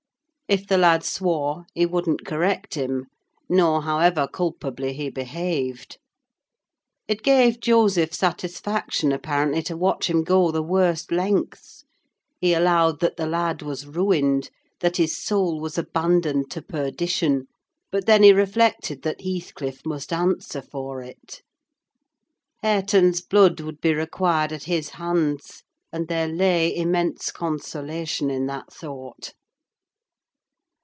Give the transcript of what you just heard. If the lad swore, he wouldn't correct him: nor however culpably he behaved. It gave Joseph satisfaction, apparently, to watch him go the worst lengths: he allowed that the lad was ruined: that his soul was abandoned to perdition; but then he reflected that Heathcliff must answer for it. Hareton's blood would be required at his hands; and there lay immense consolation in that thought.